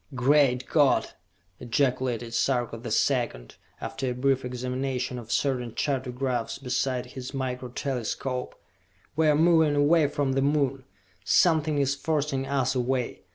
"Great God!" ejaculated Sarka the Second, after a brief examination of certain chartographs beside his Micro Telescope. "We are moving away from the Moon! Something is forcing us away!